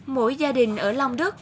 mỗi gia đình ở long đức